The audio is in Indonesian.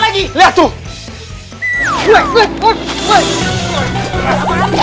terima kasih bis arrow